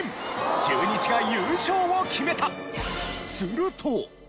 中日が優勝を決めた。